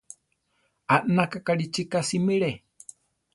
Anaka Garichí ka simire.